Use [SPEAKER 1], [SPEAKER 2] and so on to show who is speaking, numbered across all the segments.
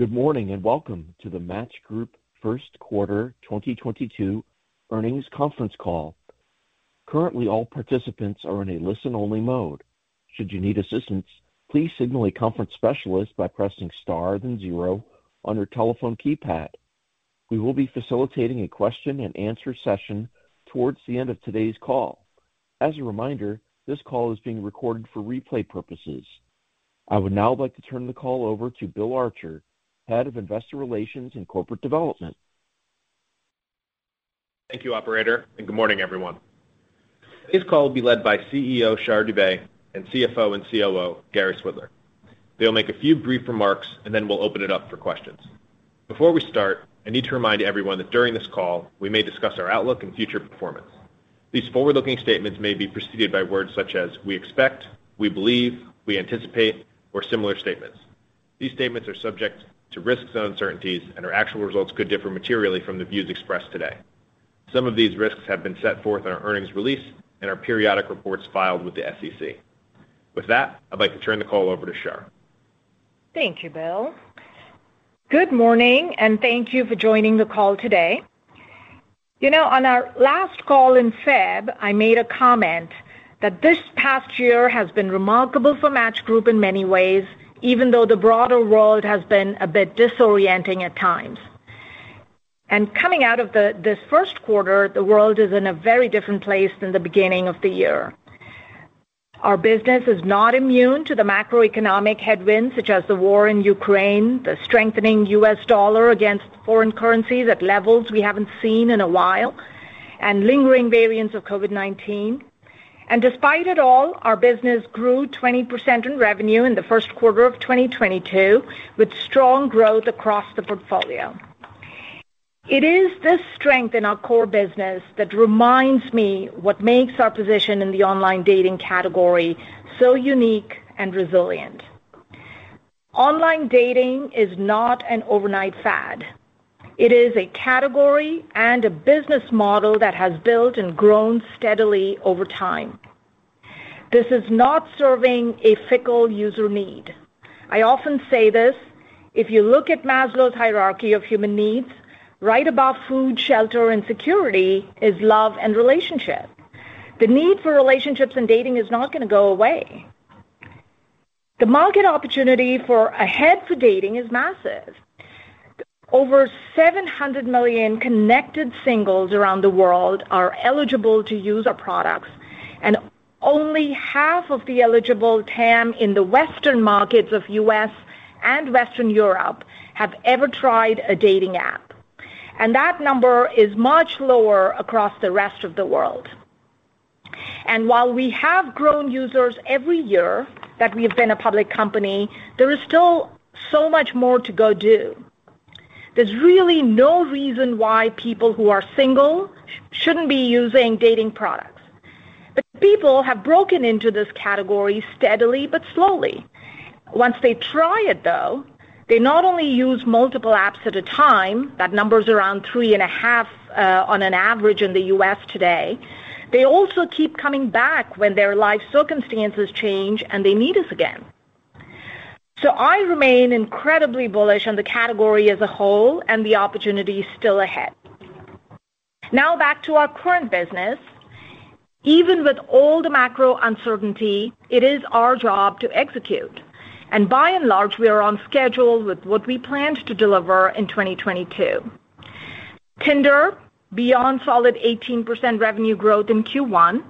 [SPEAKER 1] Good morning, and welcome to the Match Group Q1 2022 earnings conference call. Currently, all participants are in a listen-only mode. Should you need assistance, please signal a conference specialist by pressing star then zero on your telephone keypad. We will be facilitating a question-and-answer session towards the end of today's call. As a reminder, this call is being recorded for replay purposes. I would now like to turn the call over to Bill Archer, Head of Investor Relations and Corporate Development.
[SPEAKER 2] Thank you, operator, and good morning, everyone. This call will be led by CEO Shar Dubey and CFO and COO Gary Swidler. They'll make a few brief remarks, and then we'll open it up for questions. Before we start, I need to remind everyone that during this call, we may discuss our outlook and future performance. These forward-looking statements may be preceded by words such as we expect, we believe, we anticipate, or similar statements. These statements are subject to risks and uncertainties, and our actual results could differ materially from the views expressed today. Some of these risks have been set forth in our earnings release and our periodic reports filed with the SEC. With that, I'd like to turn the call over to Shar.
[SPEAKER 3] Thank you, Bill. Good morning, and thank you for joining the call today. You know, on our last call in February, I made a comment that this past year has been remarkable for Match Group in many ways, even though the broader world has been a bit disorienting at times. Coming out of this Q1, the world is in a very different place than the beginning of the year. Our business is not immune to the macroeconomic headwinds such as the war in Ukraine, the strengthening US dollar against foreign currencies at levels we haven't seen in a while, and lingering variants of COVID-19. Despite it all, our business grew 20% in revenue in the Q1 of 2022, with strong growth across the portfolio. It is this strength in our core business that reminds me what makes our position in the online dating category so unique and resilient. Online dating is not an overnight fad. It is a category and a business model that has built and grown steadily over time. This is not serving a fickle user need. I often say this, if you look at Maslow's hierarchy of human needs, right above food, shelter, and security is love and relationship. The need for relationships and dating is not gonna go away. The market opportunity ahead for dating is massive. Over 700 million connected singles around the world are eligible to use our products, and only half of the eligible TAM in the Western markets of U.S. and Western Europe have ever tried a dating app. That number is much lower across the rest of the world. While we have grown users every year that we have been a public company, there is still so much more to go do. There's really no reason why people who are single shouldn't be using dating products. People have broken into this category steadily but slowly. Once they try it, though, they not only use multiple apps at a time, that number's around 3.5 on an average in the U.S. today. They also keep coming back when their life circumstances change, and they need us again. I remain incredibly bullish on the category as a whole and the opportunity still ahead. Now back to our current business. Even with all the macro uncertainty, it is our job to execute. By and large, we are on schedule with what we planned to deliver in 2022. Tinder, beyond solid 18% revenue growth in Q1,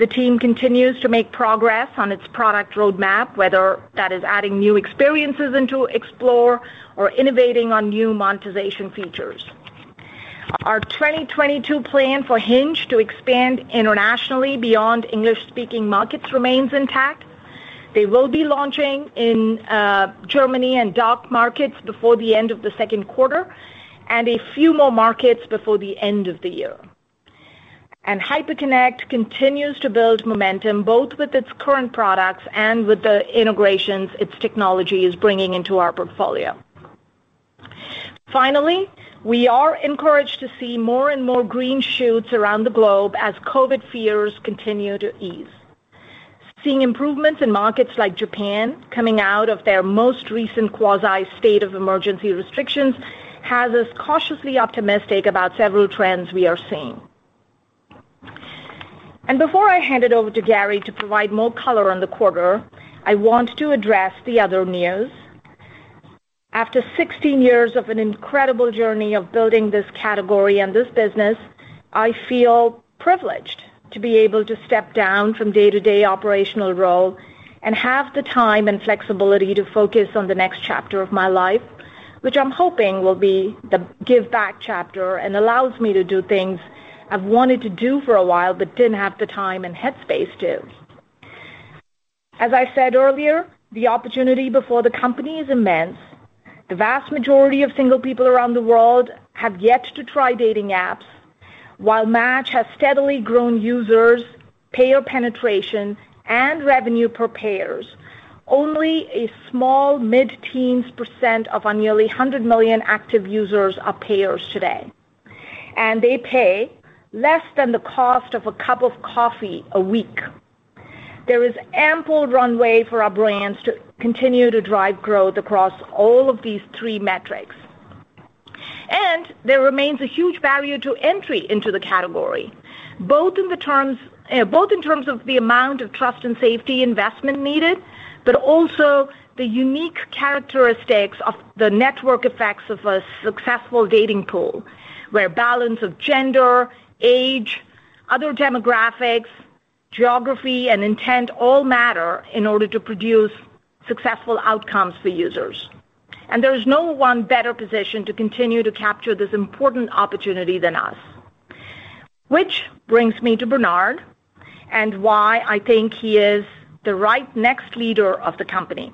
[SPEAKER 3] the team continues to make progress on its product roadmap, whether that is adding new experiences into Explore or innovating on new monetization features. Our 2022 plan for Hinge to expand internationally beyond English-speaking markets remains intact. They will be launching in Germany and DACH markets before the end of the second quarter and a few more markets before the end of the year. Hyperconnect continues to build momentum both with its current products and with the integrations its technology is bringing into our portfolio. Finally, we are encouraged to see more and more green shoots around the globe as COVID fears continue to ease. Seeing improvements in markets like Japan coming out of their most recent quasi-state of emergency restrictions has us cautiously optimistic about several trends we are seeing. Before I hand it over to Gary to provide more color on the quarter, I want to address the other news. After 16 years of an incredible journey of building this category and this business, I feel privileged to be able to step down from day-to-day operational role and have the time and flexibility to focus on the next chapter of my life, which I'm hoping will be the give back chapter and allows me to do things I've wanted to do for a while but didn't have the time and headspace to. As I said earlier, the opportunity before the company is immense. The vast majority of single people around the world have yet to try dating apps. While Match has steadily grown users, payer penetration, and revenue per payers, only a small mid-teens% of our nearly 100 million active users are payers today. They pay less than the cost of a cup of coffee a week. There is ample runway for our brands to continue to drive growth across all of these three metrics. There remains a huge value to entry into the category, both in terms of the amount of trust and safety investment needed, but also the unique characteristics of the network effects of a successful dating pool, where balance of gender, age, other demographics, geography, and intent all matter in order to produce successful outcomes for users. There's no one better positioned to continue to capture this important opportunity than us. Which brings me to Bernard and why I think he is the right next leader of the company.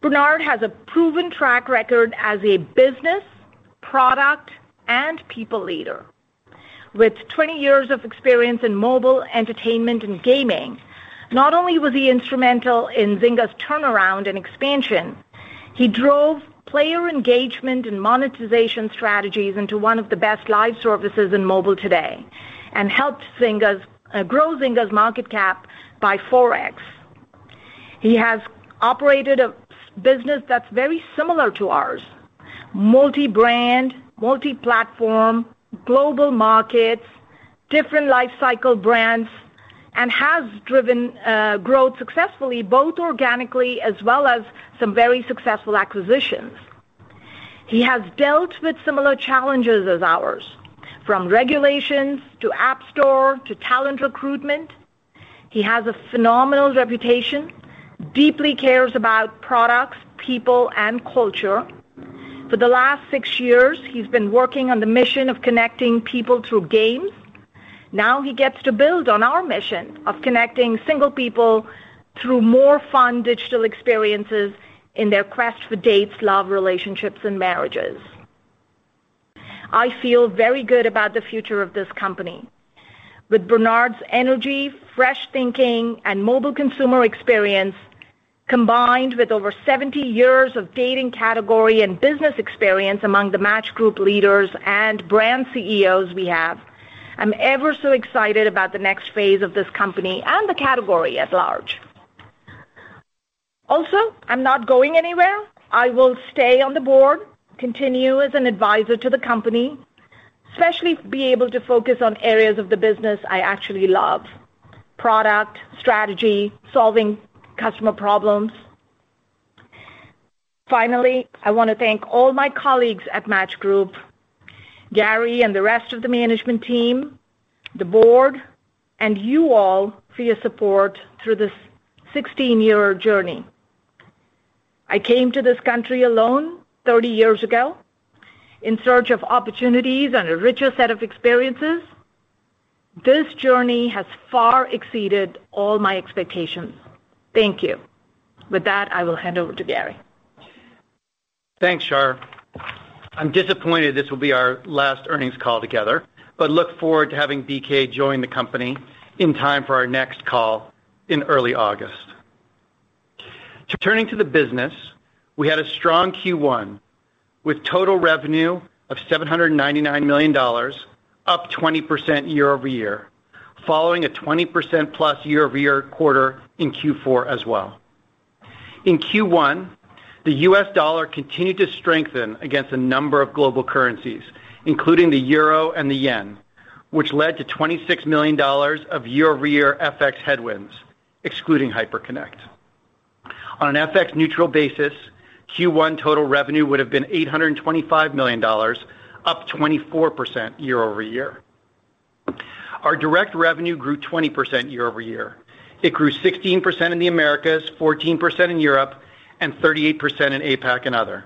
[SPEAKER 3] Bernard has a proven track record as a business, product, and people leader. With 20 years of experience in mobile entertainment and gaming, not only was he instrumental in Zynga's turnaround and expansion, he drove player engagement and monetization strategies into one of the best live services in mobile today and helped grow Zynga's market cap by 4x. He has operated a business that's very similar to ours, multi-brand, multi-platform, global markets, different lifecycle brands, and has driven growth successfully, both organically as well as some very successful acquisitions. He has dealt with similar challenges as ours, from regulations to App Store to talent recruitment. He has a phenomenal reputation, deeply cares about products, people, and culture. For the last 6 years, he's been working on the mission of connecting people through games. Now he gets to build on our mission of connecting single people through more fun digital experiences in their quest for dates, love, relationships, and marriages. I feel very good about the future of this company. With Bernard's energy, fresh thinking, and mobile consumer experience, combined with over 70 years of dating category and business experience among the Match Group leaders and brand CEOs we have, I'm ever so excited about the next phase of this company and the category at large. Also, I'm not going anywhere. I will stay on the board, continue as an advisor to the company, especially be able to focus on areas of the business I actually love, product, strategy, solving customer problems. Finally, I wanna thank all my colleagues at Match Group, Gary and the rest of the management team, the board, and you all for your support through this 16-year journey. I came to this country alone 30 years ago in search of opportunities and a richer set of experiences. This journey has far exceeded all my expectations. Thank you. With that, I will hand over to Gary.
[SPEAKER 4] Thanks, Shar. I'm disappointed this will be our last earnings call together, but look forward to having BK join the company in time for our next call in early August. Turning to the business, we had a strong Q1 with total revenue of $799 million, up 20% year-over-year, following a 20%+ year-over-year quarter in Q4 as well. In Q1, the US dollar continued to strengthen against a number of global currencies, including the euro and the yen, which led to $26 million of year-over-year FX headwinds, excluding Hyperconnect. On an FX neutral basis, Q1 total revenue would have been $825 million, up 24% year-over-year. Our direct revenue grew 20% year-over-year. It grew 16% in the Americas, 14% in Europe, and 38% in APAC and Other.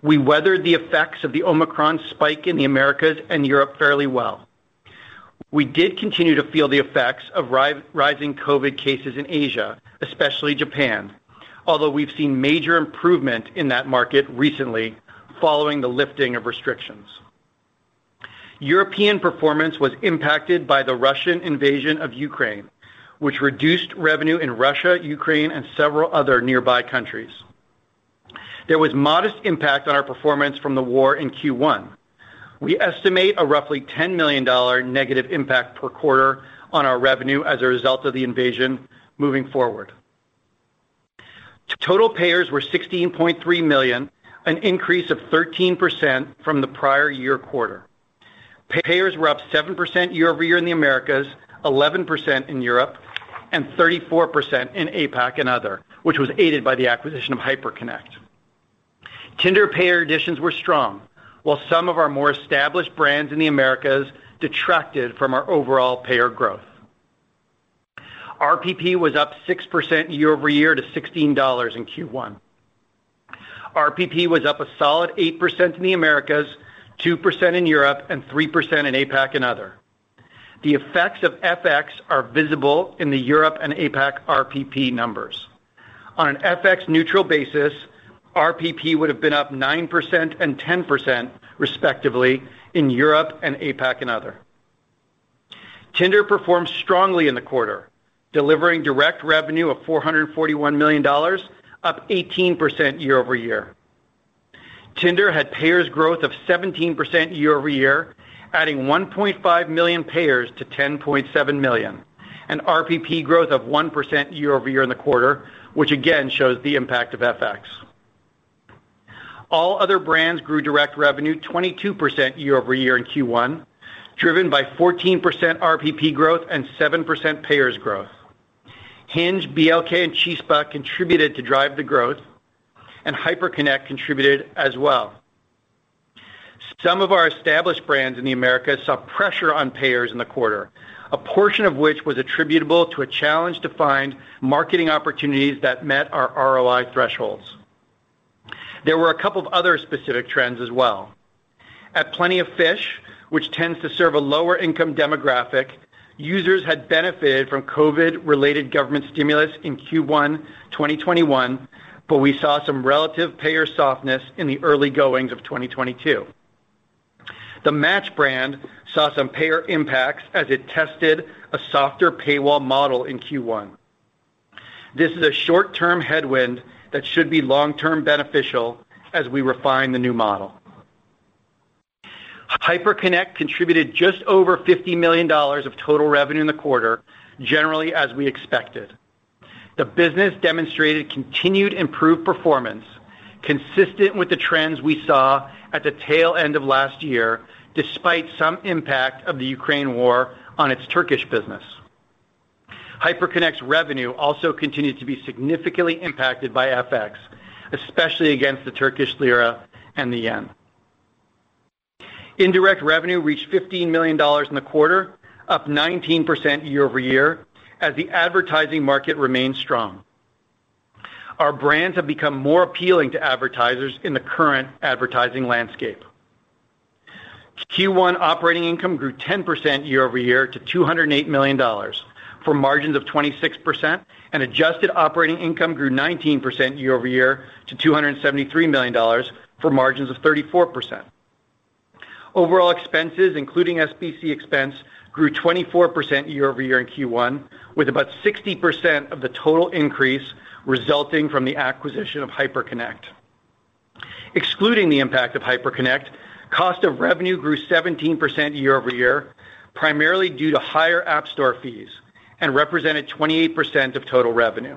[SPEAKER 4] We weathered the effects of the Omicron spike in the Americas and Europe fairly well. We did continue to feel the effects of rising COVID cases in Asia, especially Japan, although we've seen major improvement in that market recently following the lifting of restrictions. European performance was impacted by the Russian invasion of Ukraine, which reduced revenue in Russia, Ukraine, and several other nearby countries. There was modest impact on our performance from the war in Q1. We estimate a roughly $10 million negative impact per quarter on our revenue as a result of the invasion moving forward. Total payers were 16.3 million, an increase of 13% from the prior year quarter. Payers were up 7% year over year in the Americas, 11% in Europe, and 34% in APAC and Other, which was aided by the acquisition of Hyperconnect. Tinder payer additions were strong, while some of our more established brands in the Americas detracted from our overall payer growth. RPP was up 6% year-over-year to $16 in Q1. RPP was up a solid 8% in the Americas, 2% in Europe, and 3% in APAC and Other. The effects of FX are visible in the Europe and APAC RPP numbers. On an FX neutral basis, RPP would have been up 9% and 10%, respectively, in Europe and APAC and Other. Tinder performed strongly in the quarter, delivering direct revenue of $441 million, up 18% year-over-year. Tinder had payers growth of 17% year-over-year, adding 1.5 million payers to 10.7 million, and RPP growth of 1% year-over-year in the quarter, which again shows the impact of FX. All other brands grew direct revenue 22% year-over-year in Q1, driven by 14% RPP growth and 7% payers growth. Hinge, BLK, and Chispa contributed to drive the growth, and Hyperconnect contributed as well. Some of our established brands in the Americas saw pressure on payers in the quarter, a portion of which was attributable to a challenge to find marketing opportunities that met our ROI thresholds. There were a couple of other specific trends as well. At Plenty of Fish, which tends to serve a lower income demographic, users had benefited from COVID-related government stimulus in Q1 2021, but we saw some relative payer softness in the early goings of 2022. The Match brand saw some payer impacts as it tested a softer paywall model in Q1. This is a short-term headwind that should be long-term beneficial as we refine the new model. Hyperconnect contributed just over $50 million of total revenue in the quarter, generally as we expected. The business demonstrated continued improved performance consistent with the trends we saw at the tail end of last year, despite some impact of the Ukraine war on its Turkish business. Hyperconnect's revenue also continued to be significantly impacted by FX, especially against the Turkish lira and the yen. Indirect revenue reached $15 million in the quarter, up 19% year-over-year, as the advertising market remained strong. Our brands have become more appealing to advertisers in the current advertising landscape. Q1 operating income grew 10% year-over-year to $208 million, for margins of 26%, and adjusted operating income grew 19% year-over-year to $273 million, for margins of 34%. Overall expenses, including SBC expense, grew 24% year-over-year in Q1, with about 60% of the total increase resulting from the acquisition of Hyperconnect. Excluding the impact of Hyperconnect, cost of revenue grew 17% year-over-year, primarily due to higher app store fees, and represented 28% of total revenue.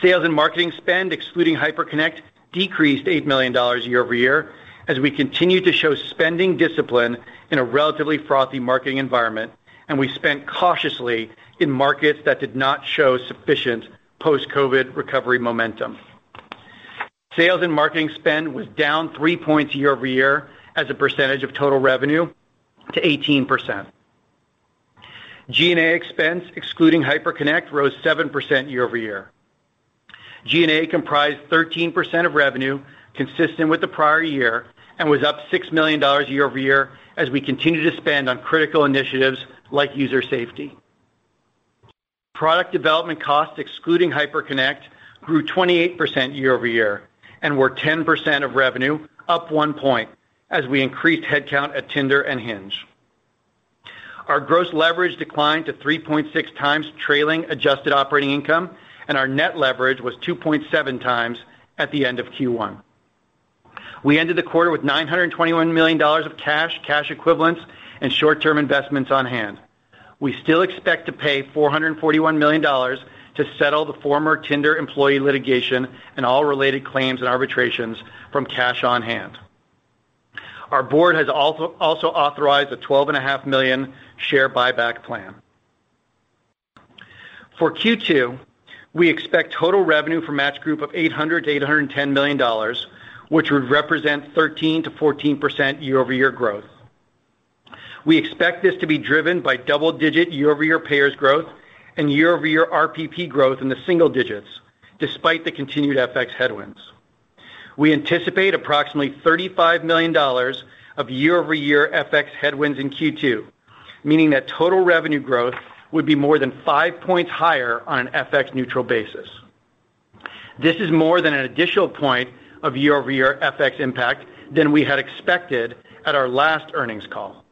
[SPEAKER 4] Sales and marketing spend, excluding Hyperconnect, decreased $8 million year-over-year, as we continued to show spending discipline in a relatively frothy marketing environment, and we spent cautiously in markets that did not show sufficient post-COVID recovery momentum. Sales and marketing spend was down three points year-over-year as a percentage of total revenue to 18%. G&A expense, excluding Hyperconnect, rose 7% year-over-year. G&A comprised 13% of revenue consistent with the prior year and was up $6 million year-over-year as we continue to spend on critical initiatives like user safety. Product development costs, excluding Hyperconnect, grew 28% year-over-year and were 10% of revenue, up 1 point, as we increased headcount at Tinder and Hinge. Our gross leverage declined to 3.6x trailing adjusted operating income, and our net leverage was 2.7x at the end of Q1. We ended the quarter with $921 million of cash equivalents, and short-term investments on hand. We still expect to pay $441 million to settle the former Tinder employee litigation and all related claims and arbitrations from cash on hand. Our board has also authorized a 12.5 million share buyback plan. For Q2, we expect total revenue for Match Group of $800 million-$810 million, which would represent 13%-14% year-over-year growth. We expect this to be driven by double-digit year-over-year payers growth and year-over-year RPP growth in the single digits, despite the continued FX headwinds. We anticipate approximately $35 million of year-over-year FX headwinds in Q2, meaning that total revenue growth would be more than 5 points higher on an FX neutral basis. This is more than an additional point of year-over-year FX impact than we had expected at our last earnings call.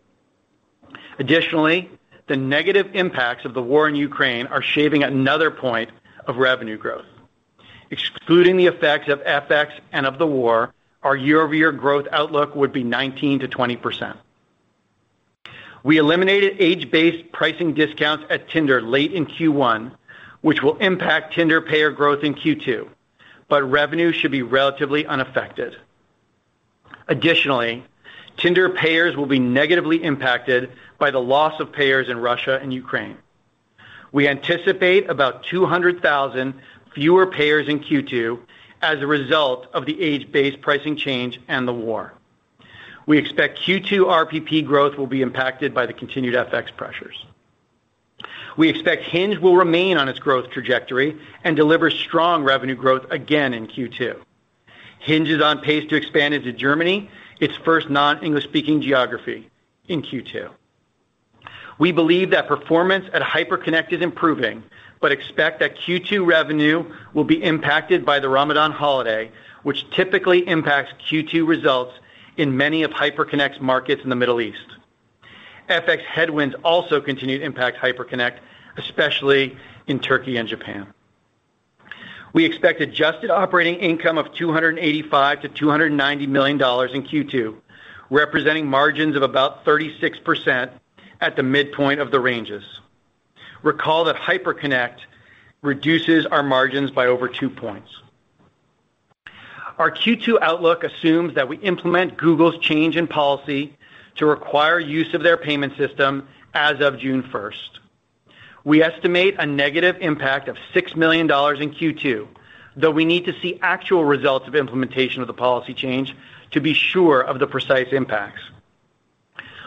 [SPEAKER 4] Additionally, the negative impacts of the war in Ukraine are shaving another point of revenue growth. Excluding the effects of FX and of the war, our year-over-year growth outlook would be 19%-20%. We eliminated age-based pricing discounts at Tinder late in Q1, which will impact Tinder payer growth in Q2, but revenue should be relatively unaffected. Additionally, Tinder payers will be negatively impacted by the loss of payers in Russia and Ukraine. We anticipate about 200,000 fewer payers in Q2 as a result of the age-based pricing change and the war. We expect Q2 RPP growth will be impacted by the continued FX pressures. We expect Hinge will remain on its growth trajectory and deliver strong revenue growth again in Q2. Hinge is on pace to expand into Germany, its first non-English speaking geography in Q2. We believe that performance at Hyperconnect is improving, but expect that Q2 revenue will be impacted by the Ramadan holiday, which typically impacts Q2 results in many of Hyperconnect's markets in the Middle East. FX headwinds also continued to impact Hyperconnect, especially in Turkey and Japan. We expect adjusted operating income of $285 million-$290 million in Q2, representing margins of about 36% at the midpoint of the ranges. Recall that Hyperconnect reduces our margins by over two points. Our Q2 outlook assumes that we implement Google's change in policy to require use of their payment system as of June first. We estimate a negative impact of $6 million in Q2, though we need to see actual results of implementation of the policy change to be sure of the precise impacts.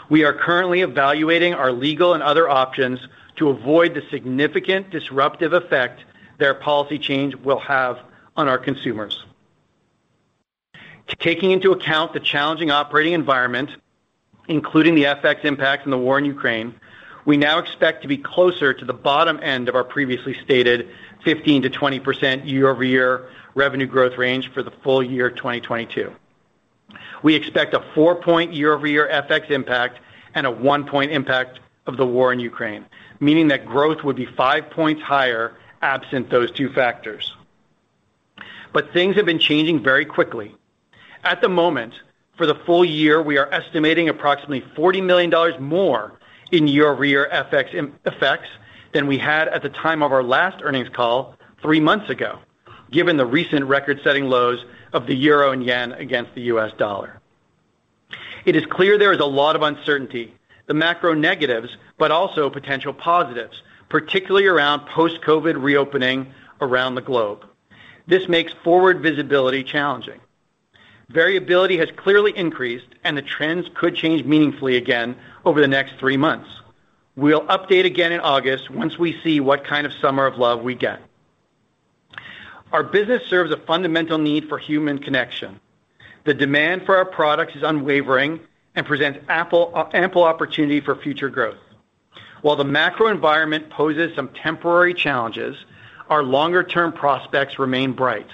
[SPEAKER 4] We are currently evaluating our legal and other options to avoid the significant disruptive effect their policy change will have on our consumers. Taking into account the challenging operating environment, including the FX impact and the war in Ukraine, we now expect to be closer to the bottom end of our previously stated 15%-20% year-over-year revenue growth range for the full year 2022. We expect a 4-point year-over-year FX impact and a 1-point impact of the war in Ukraine, meaning that growth would be 5 points higher absent those two factors. Things have been changing very quickly. At the moment, for the full year, we are estimating approximately $40 million more in year-over-year FX effects than we had at the time of our last earnings call 3 months ago, given the recent record-setting lows of the euro and yen against the US dollar. It is clear there is a lot of uncertainty, the macro negatives, but also potential positives, particularly around post-COVID reopening around the globe. This makes forward visibility challenging. Variability has clearly increased, and the trends could change meaningfully again over the next 3 months. We'll update again in August once we see what kind of summer of love we get. Our business serves a fundamental need for human connection. The demand for our products is unwavering and presents ample opportunity for future growth. While the macro environment poses some temporary challenges, our longer-term prospects remain bright.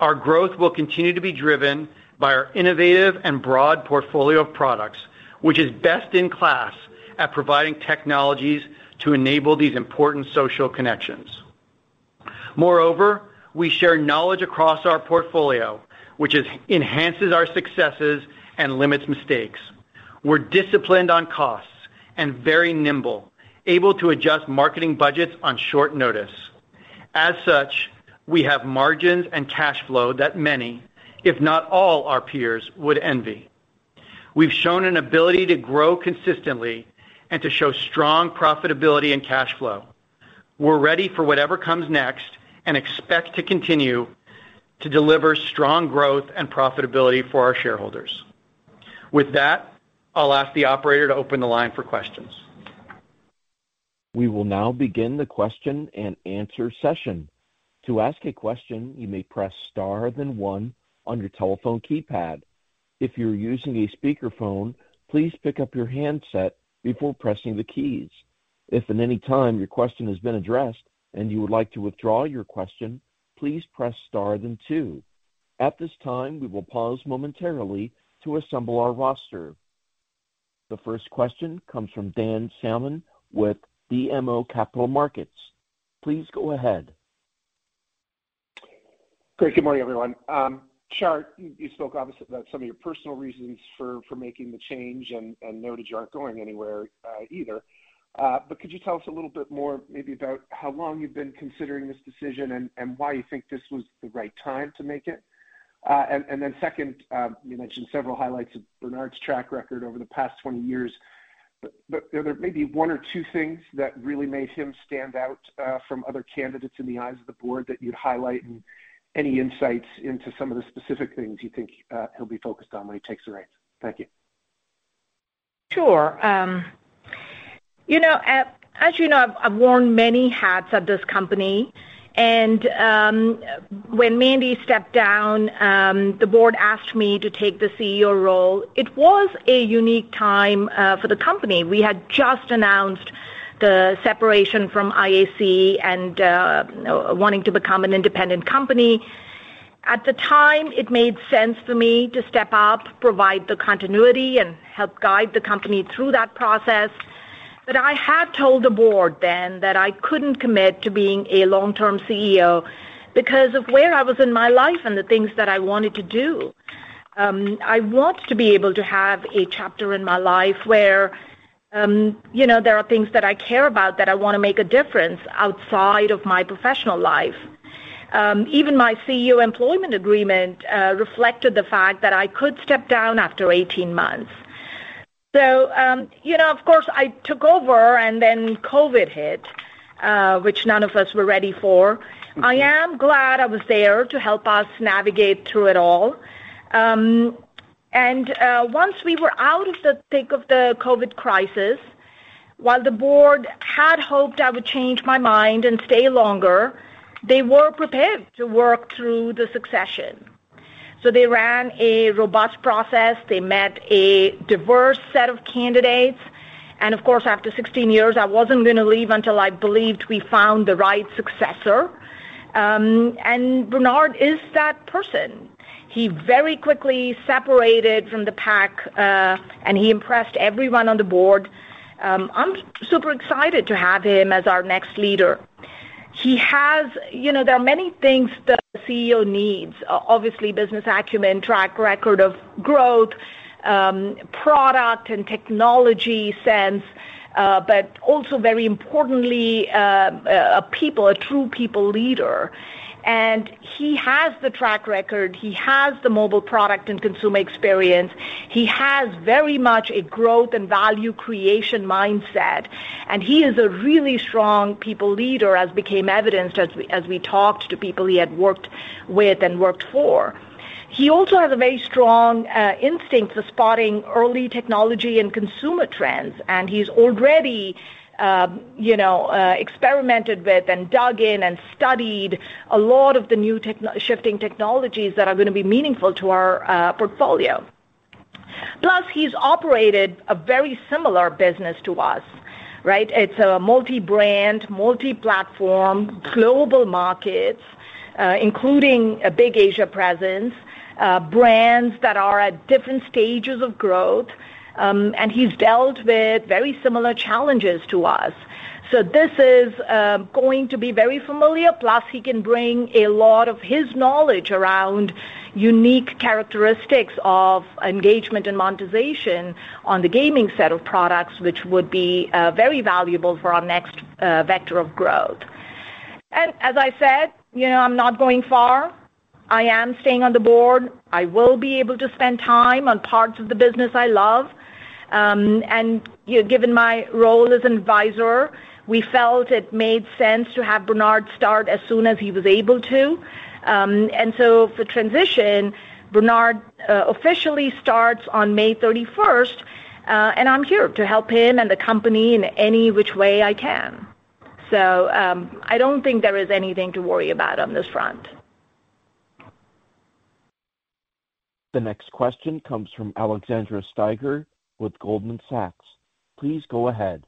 [SPEAKER 4] Our growth will continue to be driven by our innovative and broad portfolio of products, which is best in class at providing technologies to enable these important social connections. Moreover, we share knowledge across our portfolio, which enhances our successes and limits mistakes. We're disciplined on costs and very nimble, able to adjust marketing budgets on short notice. As such, we have margins and cash flow that many, if not all our peers, would envy. We've shown an ability to grow consistently and to show strong profitability and cash flow. We're ready for whatever comes next and expect to continue to deliver strong growth and profitability for our shareholders. With that, I'll ask the operator to open the line for questions.
[SPEAKER 1] We will now begin the question-and-answer session. To ask a question, you may press star, then one on your telephone keypad. If you're using a speakerphone, please pick up your handset before pressing the keys. If at any time your question has been addressed and you would like to withdraw your question, please press star then two. At this time, we will pause momentarily to assemble our roster. The first question comes from Dan Salmon with BMO Capital Markets. Please go ahead.
[SPEAKER 5] Great. Good morning, everyone. Shar, you spoke obviously about some of your personal reasons for making the change and noted you aren't going anywhere, either. But could you tell us a little bit more maybe about how long you've been considering this decision and why you think this was the right time to make it? And then second, you mentioned several highlights of Bernard's track record over the past 20 years, but are there maybe one or two things that really made him stand out from other candidates in the eyes of the board that you'd highlight? Any insights into some of the specific things you think he'll be focused on when he takes the reins? Thank you.
[SPEAKER 4] Sure. You know, as you know, I've worn many hats at this company, and when Mandy stepped down, the board asked me to take the CEO role. It was a unique time for the company. We had just announced the separation from IAC and wanting to become an independent company. At the time, it made sense for me to step up, provide the continuity, and help guide the company through that process. I had told the board then that I couldn't commit to being a long-term CEO because of where I was in my life and the things that I wanted to do. I want to be able to have a chapter in my life where you know, there are things that I care about that I wanna make a difference outside of my professional life. Even my CEO employment agreement reflected the fact that I could step down after 18 months. You know, of course, I took over and then COVID hit, which none of us were ready for. I am glad I was there to help us navigate through it all. Once we were out of the thick of the COVID crisis, while the board had hoped I would change my mind and stay longer, they were prepared to work through the succession. They ran a robust process. They met a diverse set of candidates. Of course, after 16 years, I wasn't gonna leave until I believed we found the right successor, and Bernard is that person.
[SPEAKER 3] He very quickly separated from the pack, and he impressed everyone on the board. I'm super excited to have him as our next leader. He has. You know, there are many things that a CEO needs. Obviously, business acumen, track record of growth, product and technology sense, but also very importantly, a true people leader. He has the track record, he has the mobile product and consumer experience. He has very much a growth and value creation mindset, and he is a really strong people leader, as became evidenced as we talked to people he had worked with and worked for. He also has a very strong instinct for spotting early technology and consumer trends, and he's already, you know, experimented with and dug in and studied a lot of the new shifting technologies that are gonna be meaningful to our portfolio. Plus, he's operated a very similar business to us, right? It's a multi-brand, multi-platform, global markets, including a big Asia presence, brands that are at different stages of growth, and he's dealt with very similar challenges to us. This is going to be very familiar. Plus, he can bring a lot of his knowledge around unique characteristics of engagement and monetization on the gaming set of products, which would be very valuable for our next vector of growth. As I said, you know, I'm not going far. I am staying on the board. I will be able to spend time on parts of the business I love. Given my role as advisor, we felt it made sense to have Bernard start as soon as he was able to. For transition, Bernard officially starts on May 31st, and I'm here to help him and the company in any which way I can. I don't think there is anything to worry about on this front.
[SPEAKER 1] The next question comes from Alexandra Steiger with Goldman Sachs. Please go ahead.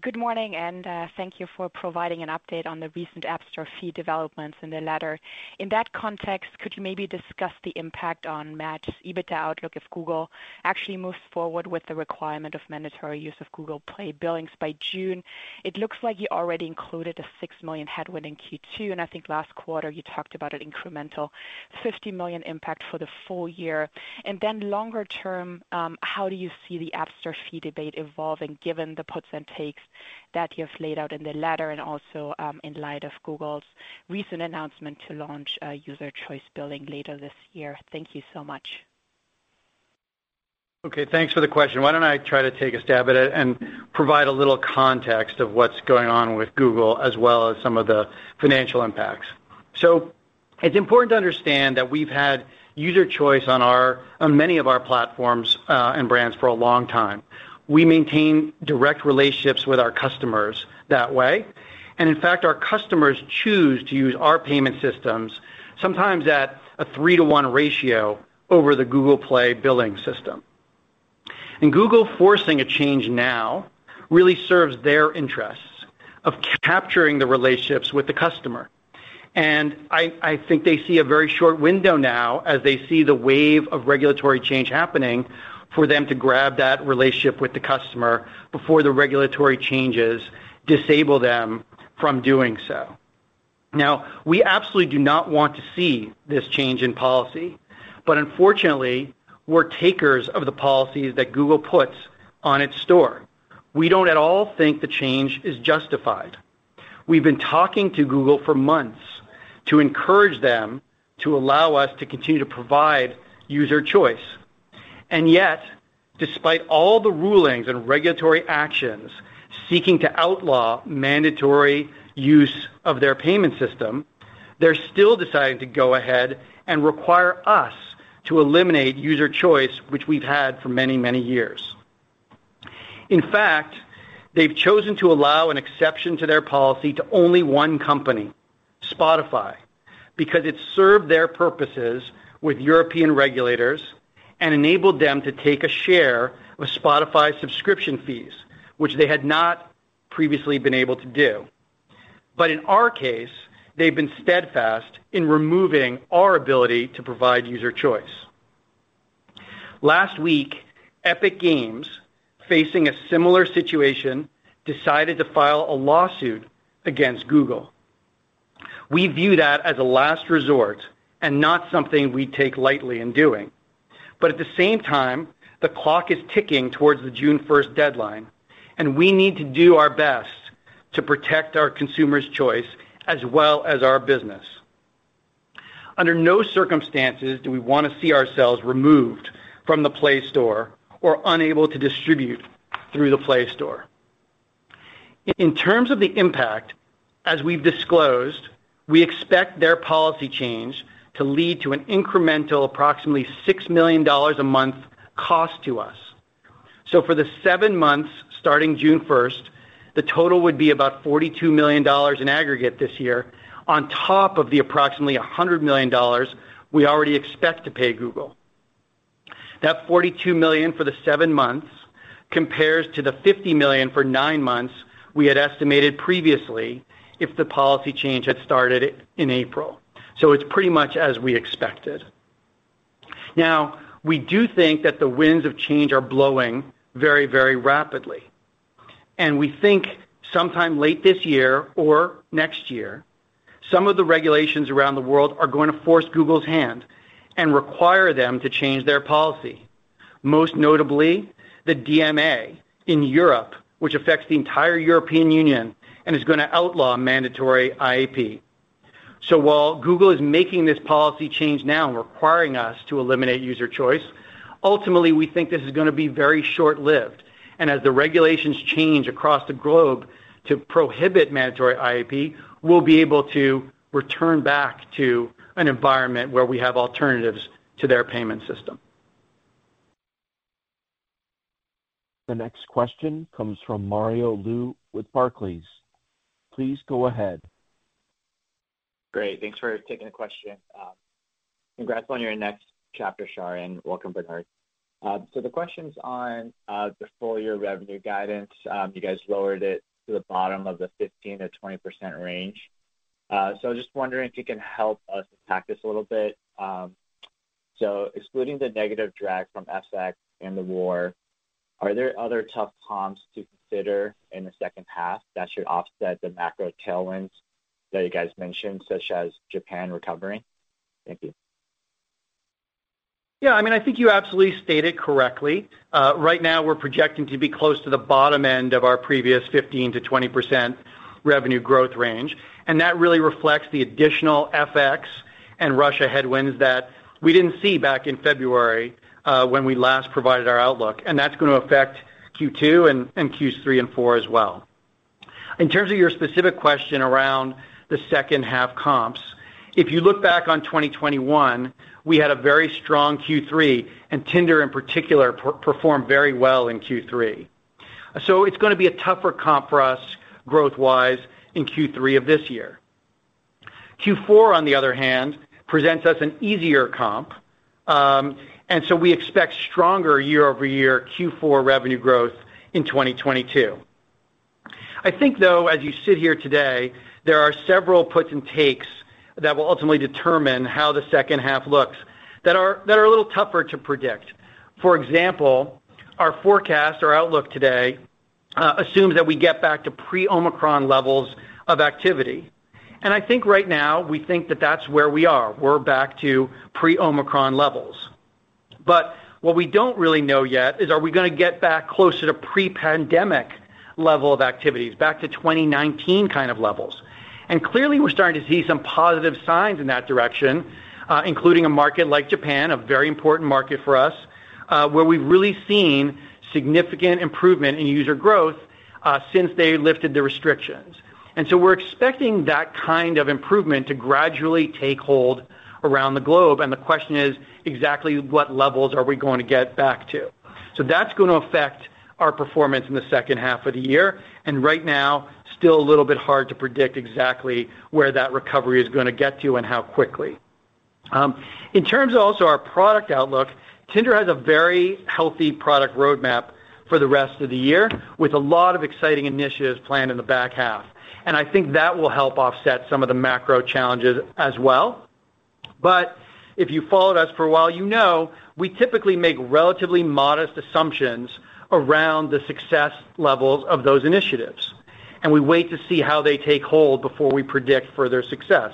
[SPEAKER 6] Good morning, and thank you for providing an update on the recent App Store fee developments in the letter. In that context, could you maybe discuss the impact on Match EBITDA outlook if Google actually moves forward with the requirement of mandatory use of Google Play billings by June? It looks like you already included a $6 million headwind in Q2, and I think last quarter, you talked about an incremental $50 million impact for the full year. Then longer term, how do you see the App Store fee debate evolving given the puts and takes that you have laid out in the letter and also, in light of Google's recent announcement to launch a user choice billing later this year? Thank you so much.
[SPEAKER 4] Okay, thanks for the question. Why don't I try to take a stab at it and provide a little context of what's going on with Google as well as some of the financial impacts. It's important to understand that we've had user choice on many of our platforms and brands for a long time. We maintain direct relationships with our customers that way. In fact, our customers choose to use our payment systems, sometimes at a 3-to-1 ratio over the Google Play billing system. Google forcing a change now really serves their interests of capturing the relationships with the customer. I think they see a very short window now as they see the wave of regulatory change happening for them to grab that relationship with the customer before the regulatory changes disable them from doing so. Now, we absolutely do not want to see this change in policy, but unfortunately, we're takers of the policies that Google puts on its store. We don't at all think the change is justified. We've been talking to Google for months to encourage them to allow us to continue to provide user choice. Yet, despite all the rulings and regulatory actions seeking to outlaw mandatory use of their payment system, they're still deciding to go ahead and require us to eliminate user choice, which we've had for many, many years. In fact, they've chosen to allow an exception to their policy to only one company, Spotify, because it served their purposes with European regulators and enabled them to take a share of Spotify subscription fees, which they had not previously been able to do. In our case, they've been steadfast in removing our ability to provide user choice. Last week, Epic Games, facing a similar situation, decided to file a lawsuit against Google. We view that as a last resort and not something we take lightly in doing. At the same time, the clock is ticking towards the June first deadline, and we need to do our best to protect our consumers' choice as well as our business. Under no circumstances do we wanna see ourselves removed from the Play Store or unable to distribute through the Play Store. In terms of the impact, as we've disclosed, we expect their policy change to lead to an incremental approximately $6 million a month cost to us. For the seven months starting June first, the total would be about $42 million in aggregate this year on top of the approximately $100 million we already expect to pay Google. That $42 million for the seven months compares to the $50 million for nine months we had estimated previously if the policy change had started in April. It's pretty much as we expected. Now, we do think that the winds of change are blowing very, very rapidly, and we think sometime late this year or next year, some of the regulations around the world are going to force Google's hand and require them to change their policy, most notably the DMA in Europe, which affects the entire European Union and is gonna outlaw mandatory IAP. While Google is making this policy change now and requiring us to eliminate user choice, ultimately, we think this is gonna be very short-lived. As the regulations change across the globe to prohibit mandatory IAP, we'll be able to return back to an environment where we have alternatives to their payment system.
[SPEAKER 1] The next question comes from Mario Lu with Barclays. Please go ahead.
[SPEAKER 7] Great. Thanks for taking the question. Congrats on your next chapter, Shar, and welcome, Bernard. So the question's on the full year revenue guidance. You guys lowered it to the bottom of the 15%-20% range. So just wondering if you can help us unpack this a little bit. So excluding the negative drag from FX and the war, are there other tough comps to consider in the second half that should offset the macro tailwinds that you guys mentioned, such as Japan recovering? Thank you.
[SPEAKER 4] Yeah, I mean, I think you absolutely stated correctly. Right now we're projecting to be close to the bottom end of our previous 15%-20% revenue growth range, and that really reflects the additional FX and Russia headwinds that we didn't see back in February, when we last provided our outlook. That's gonna affect Q2 and Q3 and Q4 as well. In terms of your specific question around the second half comps, if you look back on 2021, we had a very strong Q3, and Tinder in particular performed very well in Q3. It's gonna be a tougher comp for us growth-wise in Q3 of this year. Q4, on the other hand, presents us an easier comp, and so we expect stronger year-over-year Q4 revenue growth in 2022. I think, though, as you sit here today, there are several puts and takes that will ultimately determine how the second half looks that are a little tougher to predict. For example, our forecast or outlook today assumes that we get back to pre-Omicron levels of activity. I think right now we think that that's where we are. We're back to pre-Omicron levels. What we don't really know yet is, are we gonna get back closer to pre-pandemic level of activities, back to 2019 kind of levels? Clearly, we're starting to see some positive signs in that direction, including a market like Japan, a very important market for us, where we've really seen significant improvement in user growth, since they lifted the restrictions. We're expecting that kind of improvement to gradually take hold around the globe. The question is, exactly what levels are we going to get back to? That's gonna affect our performance in the second half of the year. Right now still a little bit hard to predict exactly where that recovery is gonna get to and how quickly. In terms of also our product outlook, Tinder has a very healthy product roadmap for the rest of the year with a lot of exciting initiatives planned in the back half. I think that will help offset some of the macro challenges as well. If you followed us for a while, you know we typically make relatively modest assumptions around the success levels of those initiatives, and we wait to see how they take hold before we predict further success.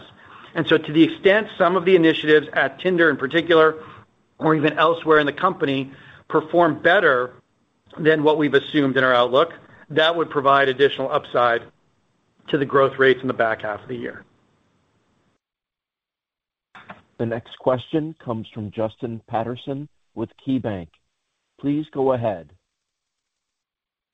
[SPEAKER 4] To the extent some of the initiatives at Tinder in particular or even elsewhere in the company perform better than what we've assumed in our outlook, that would provide additional upside to the growth rates in the back half of the year.
[SPEAKER 1] The next question comes from Justin Patterson with KeyBanc. Please go ahead.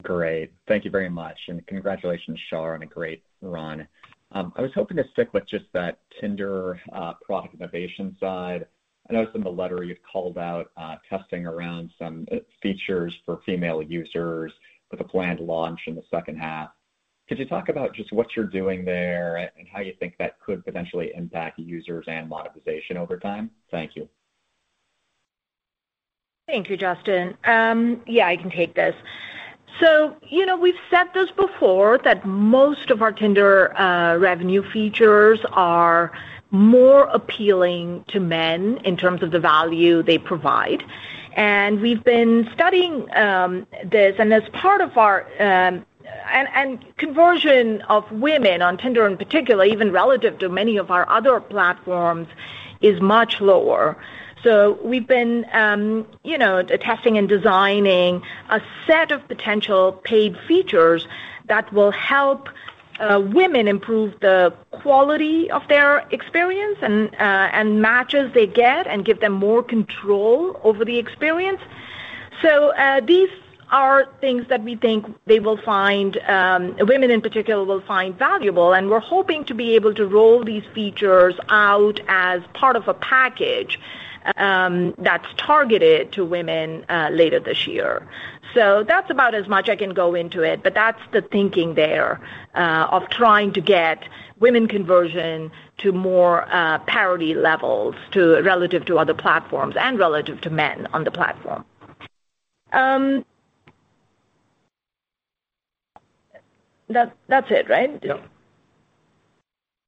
[SPEAKER 8] Great. Thank you very much, and congratulations, Shar, on a great run. I was hoping to stick with just that Tinder product innovation side. I noticed in the letter you've called out testing around some features for female users with a planned launch in the second half. Could you talk about just what you're doing there and how you think that could potentially impact users and monetization over time? Thank you.
[SPEAKER 3] Thank you, Justin. Yeah, I can take this. You know, we've said this before, that most of our Tinder revenue features are more appealing to men in terms of the value they provide. We've been studying this and as part of our and conversion of women on Tinder in particular, even relative to many of our other platforms, is much lower. We've been you know testing and designing a set of potential paid features that will help women improve the quality of their experience and matches they get and give them more control over the experience. These are things that we think they will find women in particular will find valuable. We're hoping to be able to roll these features out as part of a package, that's targeted to women, later this year. That's about as much I can go into it, but that's the thinking there, of trying to get women conversion to more parity levels to relative to other platforms and relative to men on the platform. That's it, right?
[SPEAKER 4] Yeah.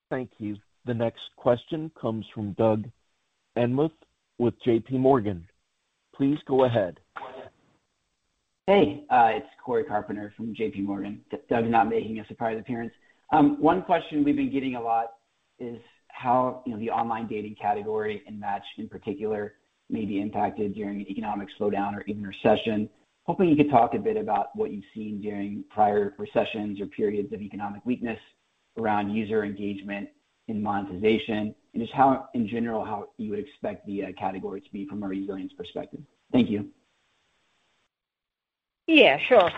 [SPEAKER 1] Thank you. The next question comes from Doug Anmuth with JPMorgan. Please go ahead.
[SPEAKER 9] Hey, it's Cory Carpenter from JPMorgan. Doug is not making a surprise appearance. One question we've been getting a lot is how, you know, the online dating category and Match in particular may be impacted during an economic slowdown or even recession. Hoping you could talk a bit about what you've seen during prior recessions or periods of economic weakness around user engagement and monetization, and just how, in general, you would expect the category to be from a resilience perspective. Thank you.
[SPEAKER 3] Yeah, sure.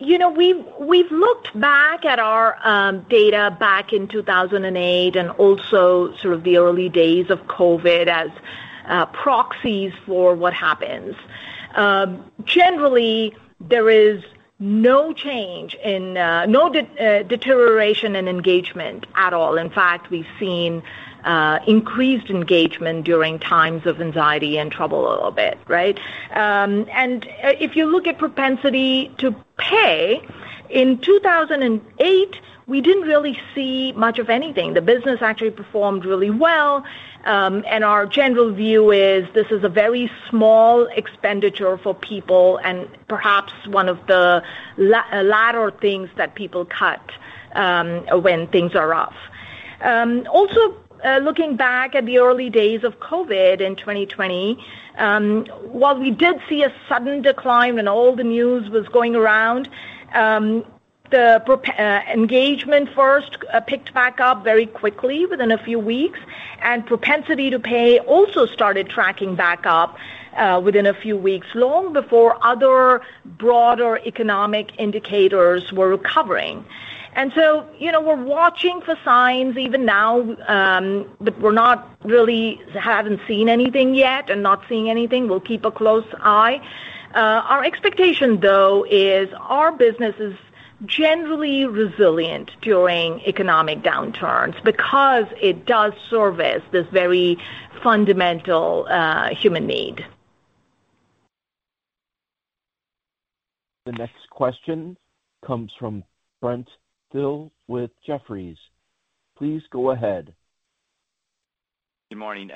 [SPEAKER 3] You know, we've looked back at our data back in 2008 and also sort of the early days of COVID as proxies for what happens. Generally, there is no change in, no deterioration in engagement at all. In fact, we've seen increased engagement during times of anxiety and trouble a little bit, right? If you look at propensity to pay, in 2008, we didn't really see much of anything. The business actually performed really well, and our general view is this is a very small expenditure for people and perhaps one of the latter things that people cut, when things are rough. Also, looking back at the early days of COVID in 2020, while we did see a sudden decline when all the news was going around, engagement first picked back up very quickly within a few weeks, and propensity to pay also started tracking back up within a few weeks, long before other broader economic indicators were recovering. You know, we're watching for signs even now, but we're not really haven't seen anything yet and not seeing anything. We'll keep a close eye. Our expectation, though, is our business is generally resilient during economic downturns because it does service this very fundamental human need.
[SPEAKER 1] The next question comes from Brent Thill with Jefferies. Please go ahead.
[SPEAKER 10] Good morning,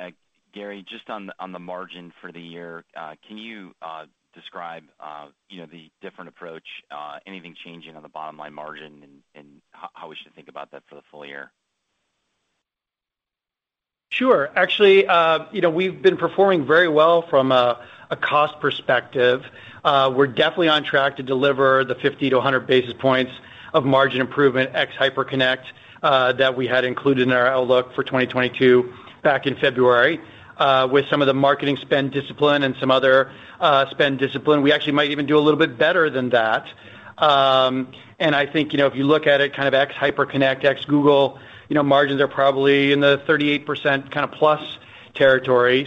[SPEAKER 10] Gary. Just on the margin for the year, can you describe, you know, the different approach, anything changing on the bottom line margin and how we should think about that for the full year?
[SPEAKER 4] Sure. Actually, you know, we've been performing very well from a cost perspective. We're definitely on track to deliver the 50-100 basis points of margin improvement ex Hyperconnect that we had included in our outlook for 2022 back in February. With some of the marketing spend discipline and some other spend discipline. We actually might even do a little bit better than that. I think, you know, if you look at it kind of ex Hyperconnect, ex Google, you know, margins are probably in the 38% kinda plus territory.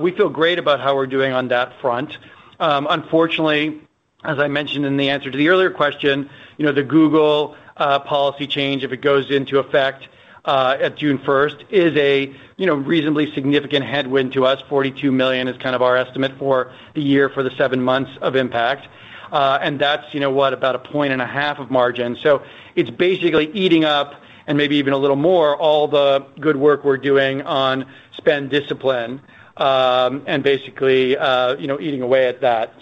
[SPEAKER 4] We feel great about how we're doing on that front. Unfortunately, as I mentioned in the answer to the earlier question, you know, the Google policy change, if it goes into effect at June first, is a, you know, reasonably significant headwind to us. $42 million is kind of our estimate for the year for the seven months of impact. That's, you know, what? About 1.5 points of margin. It's basically eating up and maybe even a little more all the good work we're doing on spend discipline, and basically, you know, eating away at that.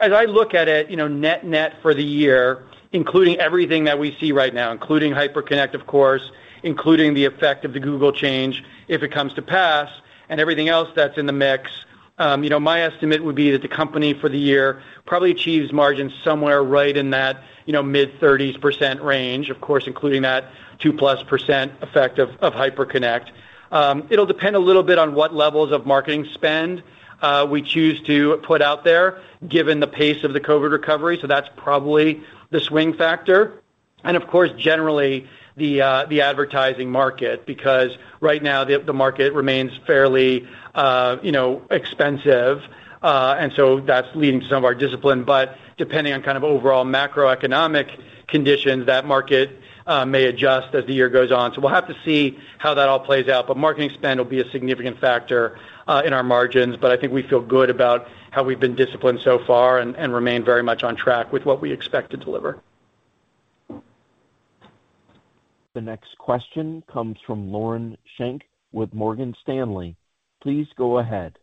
[SPEAKER 4] As I look at it, you know, net-net for the year, including everything that we see right now, including Hyperconnect, of course, including the effect of the Google change, if it comes to pass and everything else that's in the mix, you know, my estimate would be that the company for the year probably achieves margins somewhere right in that, you know, mid-30s% range. Of course, including that 2+% effect of Hyperconnect. It'll depend a little bit on what levels of marketing spend we choose to put out there given the pace of the COVID recovery. That's probably the swing factor. Of course, generally the advertising market, because right now the market remains fairly, you know, expensive. That's leading some of our discipline. depending on kind of overall macroeconomic conditions, that market may adjust as the year goes on. We'll have to see how that all plays out. Marketing spend will be a significant factor in our margins. I think we feel good about how we've been disciplined so far and remain very much on track with what we expect to deliver.
[SPEAKER 1] The next question comes from Lauren Schenk with Morgan Stanley. Please go ahead.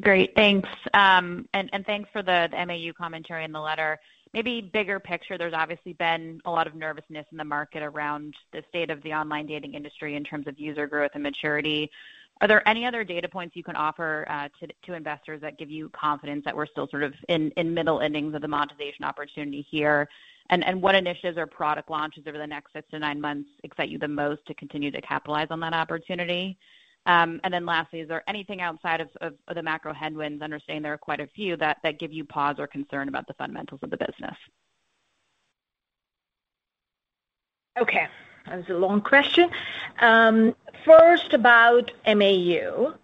[SPEAKER 11] Great. Thanks. Thanks for the MAU commentary in the letter. Maybe bigger picture, there's obviously been a lot of nervousness in the market around the state of the online dating industry in terms of user growth and maturity. Are there any other data points you can offer to investors that give you confidence that we're still sort of in middle innings of the monetization opportunity here? What initiatives or product launches over the next 6-9 months excite you the most to continue to capitalize on that opportunity? Lastly, is there anything outside of the macro headwinds, understanding there are quite a few, that give you pause or concern about the fundamentals of the business?
[SPEAKER 3] Okay. That was a long question. First, about MAU.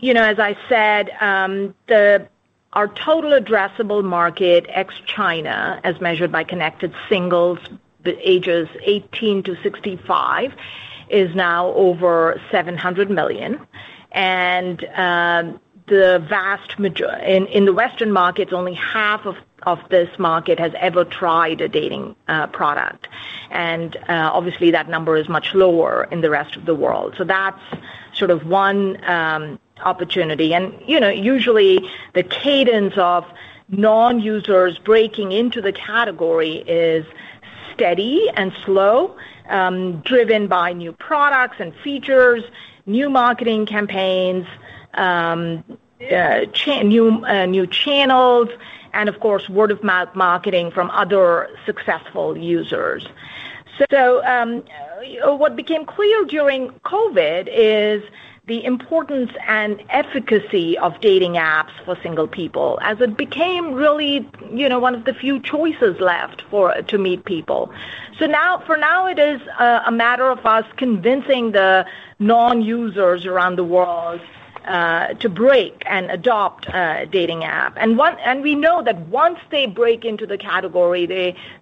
[SPEAKER 3] You know, as I said, our total addressable market, ex-China, as measured by connected singles, the ages 18 to 65 is now over 700 million. The vast majority in the Western markets, only half of this market has ever tried a dating product. Obviously that number is much lower in the rest of the world. That's sort of one opportunity. You know, usually the cadence of non-users breaking into the category is steady and slow, driven by new products and features, new marketing campaigns, new channels, and of course, word-of-mouth marketing from other successful users. What became clear during COVID is the importance and efficacy of dating apps for single people, as it became really, you know, one of the few choices left to meet people. For now it is a matter of us convincing the non-users around the world to break and adopt a dating app. We know that once they break into the category,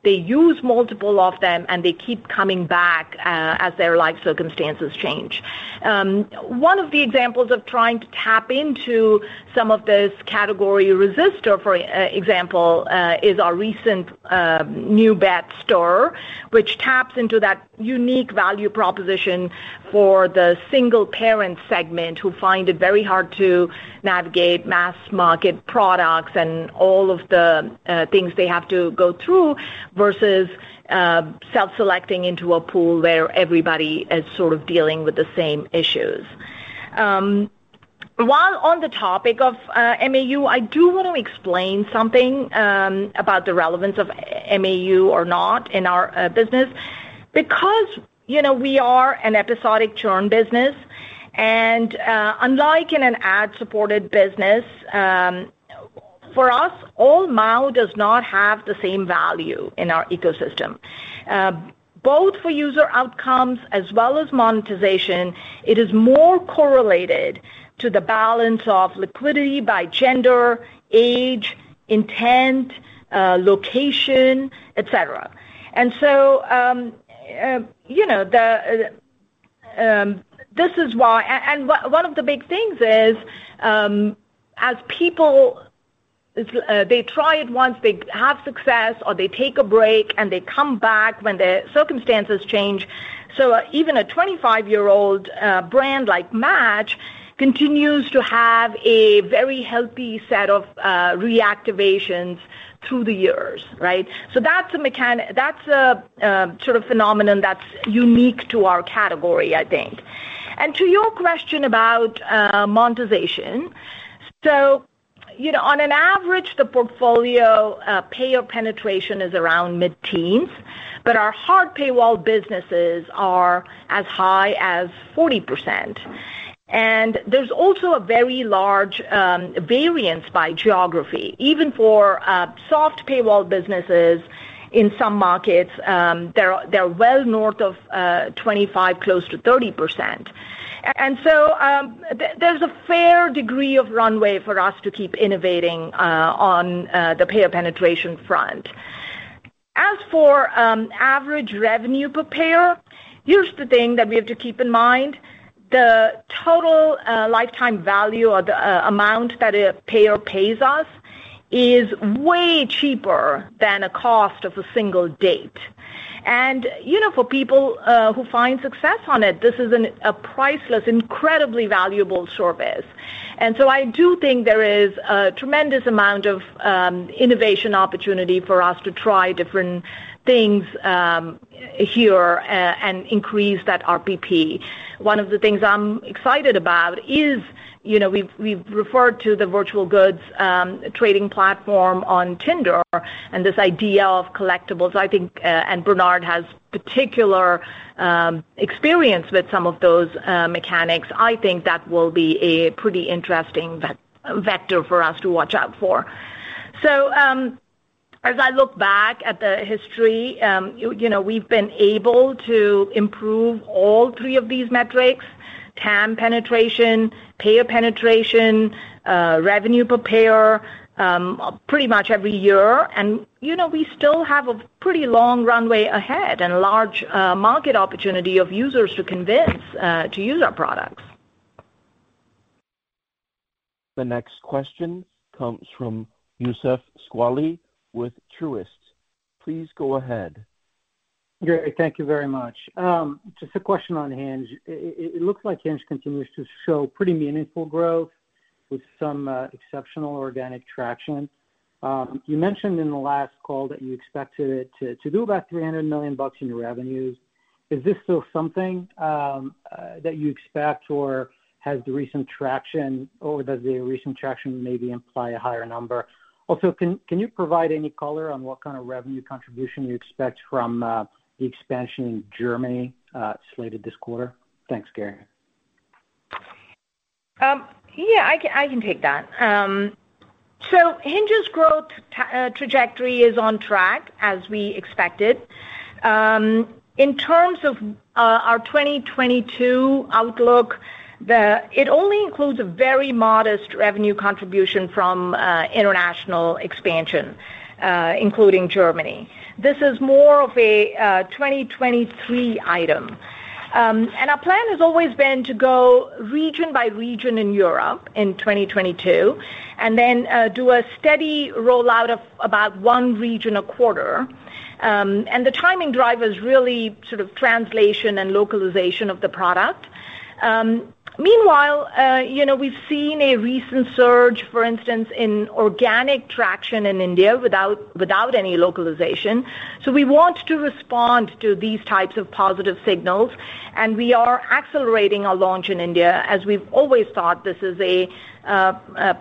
[SPEAKER 3] they use multiple of them, and they keep coming back as their life circumstances change. One of the examples of trying to tap into some of this category resisters, for example, is our recent new bet, Stir, which taps into that unique value proposition for the single parent segment who find it very hard to navigate mass market products and all of the things they have to go through versus self-selecting into a pool where everybody is sort of dealing with the same issues. While on the topic of MAU, I do wanna explain something about the relevance of MAU or not in our business. Because, you know, we are an episodic churn business, and unlike in an ad-supported business, for us, all MAU does not have the same value in our ecosystem. Both for user outcomes as well as monetization, it is more correlated to the balance of liquidity by gender, age, intent, location, et cetera. One of the big things is, as people they try it once, they have success, or they take a break, and they come back when their circumstances change. Even a 25-year-old brand like Match continues to have a very healthy set of reactivations through the years, right? That's a sort of phenomenon that's unique to our category, I think. To your question about monetization. You know, on average, the portfolio payer penetration is around mid-teens, but our hard paywall businesses are as high as 40%. There's also a very large variance by geography. Even for soft paywall businesses in some markets, they're well north of 25, close to 30%. There's a fair degree of runway for us to keep innovating on the payer penetration front. As for average revenue per payer, here's the thing that we have to keep in mind. The total lifetime value or the amount that a payer pays us is way cheaper than a cost of a single date. You know, for people who find success on it, this is a priceless, incredibly valuable service. I do think there is a tremendous amount of innovation opportunity for us to try different things here and increase that RPP. One of the things I'm excited about is, you know, we've referred to the virtual goods trading platform on Tinder and this idea of collectibles. I think and Bernard has particular experience with some of those mechanics. I think that will be a pretty interesting vector for us to watch out for. As I look back at the history, you know, we've been able to improve all three of these metrics, TAM penetration, payer penetration, revenue per payer, pretty much every year. You know, we still have a pretty long runway ahead and a large market opportunity of users to convince to use our products.
[SPEAKER 1] The next question comes from Youssef Squali with Truist. Please go ahead.
[SPEAKER 12] Great. Thank you very much. Just a question on Hinge. It looks like Hinge continues to show pretty meaningful growth with some exceptional organic traction. You mentioned in the last call that you expected it to do about $300 million in your revenues. Is this still something that you expect, or does the recent traction maybe imply a higher number? Also, can you provide any color on what kind of revenue contribution you expect from the expansion in Germany slated this quarter? Thanks, Gary.
[SPEAKER 3] I can take that. Hinge's growth trajectory is on track as we expected. In terms of our 2022 outlook, it only includes a very modest revenue contribution from international expansion, including Germany. This is more of a 2023 item. Our plan has always been to go region by region in Europe in 2022, and then do a steady rollout of about one region a quarter. The timing driver is really sort of translation and localization of the product. Meanwhile, you know, we've seen a recent surge, for instance, in organic traction in India without any localization. We want to respond to these types of positive signals, and we are accelerating our launch in India as we've always thought this is a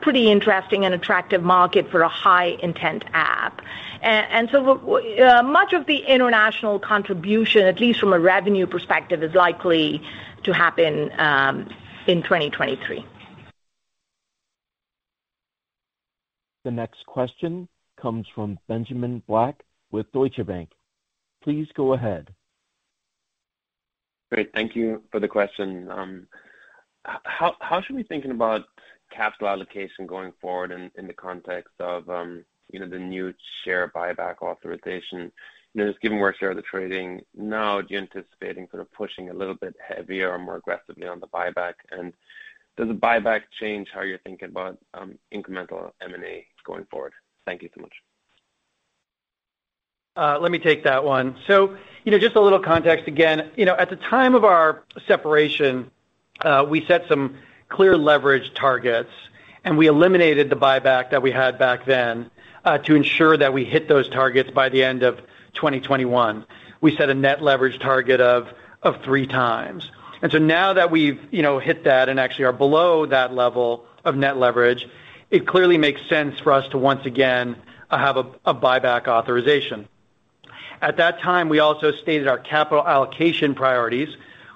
[SPEAKER 3] pretty interesting and attractive market for a high intent app. Much of the international contribution, at least from a revenue perspective, is likely to happen in 2023.
[SPEAKER 1] The next question comes from Benjamin Black with Deutsche Bank. Please go ahead.
[SPEAKER 13] Great. Thank you for the question. How should we be thinking about capital allocation going forward in the context of you know, the new share buyback authorization? You know, just given where shares are trading now, are you anticipating sort of pushing a little bit heavier or more aggressively on the buyback? Does the buyback change how you're thinking about incremental M&A going forward? Thank you so much.
[SPEAKER 4] Let me take that one. You know, just a little context, again, you know, at the time of our separation, we set some clear leverage targets, and we eliminated the buyback that we had back then, to ensure that we hit those targets by the end of 2021. We set a net leverage target of 3 times. Now that we've, you know, hit that and actually are below that level of net leverage, it clearly makes sense for us to once again have a buyback authorization. At that time, we also stated our capital allocation priorities,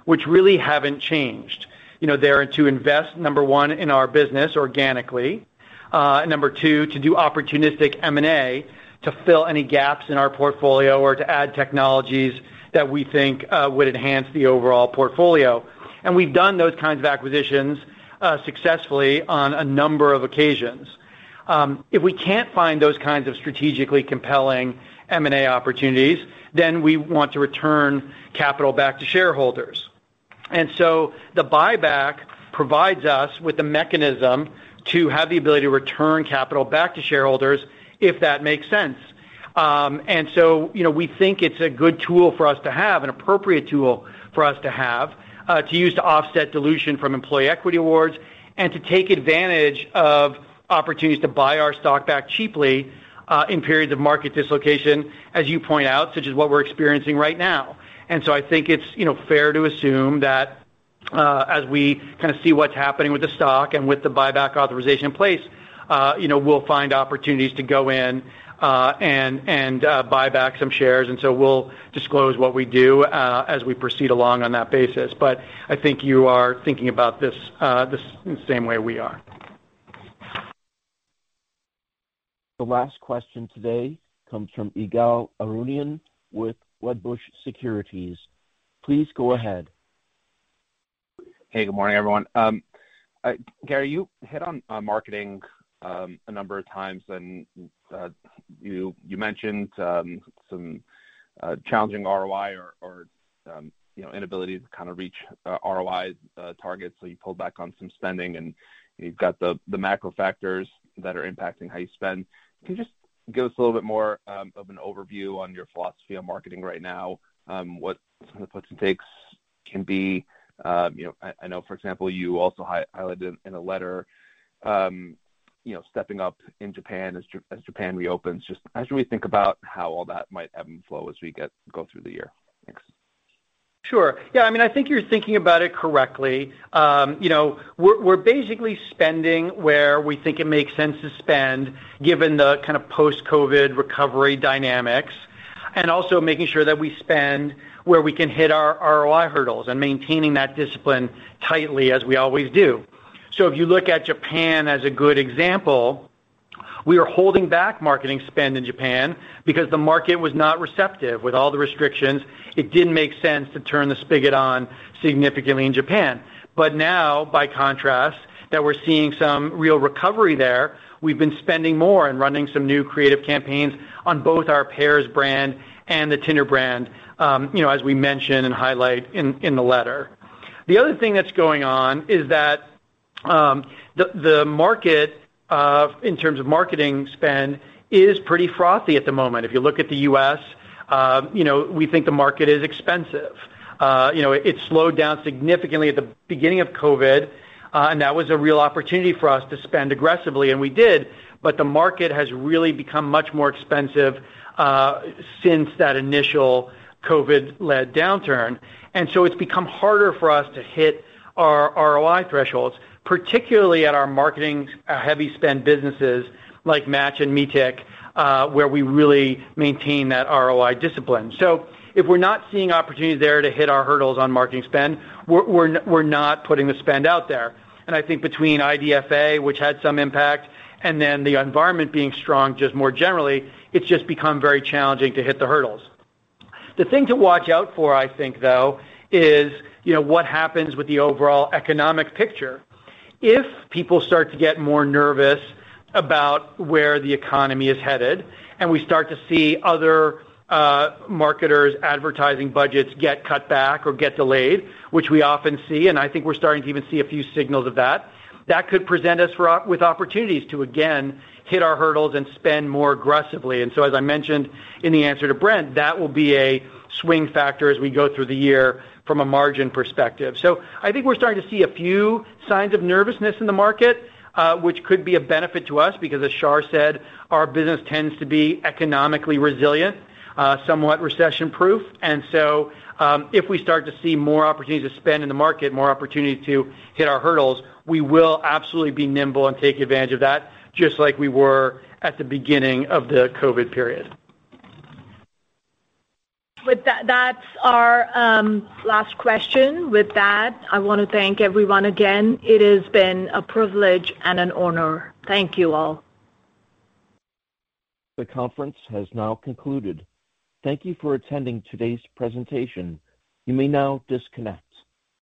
[SPEAKER 4] which really haven't changed. You know, they are to invest, 1, in our business organically, 2, to do opportunistic M&A to fill any gaps in our portfolio or to add technologies that we think would enhance the overall portfolio. We've done those kinds of acquisitions successfully on a number of occasions. If we can't find those kinds of strategically compelling M&A opportunities, then we want to return capital back to shareholders. The buyback provides us with the mechanism to have the ability to return capital back to shareholders if that makes sense. You know, we think it's a good tool for us to have, an appropriate tool for us to have, to use to offset dilution from employee equity awards and to take advantage of opportunities to buy our stock back cheaply, in periods of market dislocation, as you point out, such as what we're experiencing right now. I think it's, you know, fair to assume that, as we kinda see what's happening with the stock and with the buyback authorization in place, you know, we'll find opportunities to go in, and buy back some shares. We'll disclose what we do, as we proceed along on that basis. I think you are thinking about this the same way we are.
[SPEAKER 1] The last question today comes from Ygal Arounian with Wedbush Securities. Please go ahead.
[SPEAKER 14] Hey, good morning, everyone. Gary, you hit on marketing a number of times and you mentioned some challenging ROI or you know inability to kind of reach ROI targets. You pulled back on some spending and you've got the macro factors that are impacting how you spend. Can you just give us a little bit more of an overview on your philosophy on marketing right now? What some of the puts and takes can be. You know, I know, for example, you also highlighted in a letter you know stepping up in Japan as Japan reopens. Just how should we think about how all that might ebb and flow as we go through the year? Thanks.
[SPEAKER 4] Sure. Yeah, I mean, I think you're thinking about it correctly. You know, we're basically spending where we think it makes sense to spend given the kind of post-COVID recovery dynamics, and also making sure that we spend where we can hit our ROI hurdles and maintaining that discipline tightly as we always do. If you look at Japan as a good example, we are holding back marketing spend in Japan because the market was not receptive. With all the restrictions, it didn't make sense to turn the spigot on significantly in Japan. Now, by contrast, that we're seeing some real recovery there, we've been spending more and running some new creative campaigns on both our Pairs brand and the Tinder brand, you know, as we mentioned and highlight in the letter. The other thing that's going on is that the market in terms of marketing spend is pretty frothy at the moment. If you look at the U.S., you know, we think the market is expensive. You know, it slowed down significantly at the beginning of COVID, and that was a real opportunity for us to spend aggressively, and we did. The market has really become much more expensive since that initial COVID-led downturn. It's become harder for us to hit our ROI thresholds, particularly at our marketing heavy spend businesses like Match and Meetic, where we really maintain that ROI discipline. If we're not seeing opportunities there to hit our hurdles on marketing spend, we're not putting the spend out there. I think between IDFA, which had some impact, and then the environment being strong just more generally, it's just become very challenging to hit the hurdles. The thing to watch out for, I think, though, is, you know, what happens with the overall economic picture. If people start to get more nervous about where the economy is headed and we start to see other marketers' advertising budgets get cut back or get delayed, which we often see, and I think we're starting to even see a few signals of that could present us with opportunities to again hit our hurdles and spend more aggressively. As I mentioned in the answer to Brent, that will be a swing factor as we go through the year from a margin perspective. I think we're starting to see a few signs of nervousness in the market, which could be a benefit to us because as Shar said, our business tends to be economically resilient, somewhat recession-proof. If we start to see more opportunities to spend in the market, more opportunities to hit our hurdles, we will absolutely be nimble and take advantage of that just like we were at the beginning of the COVID period.
[SPEAKER 3] With that's our last question. With that, I wanna thank everyone again. It has been a privilege and an honor. Thank you all.
[SPEAKER 1] The conference has now concluded. Thank you for attending today's presentation. You may now disconnect.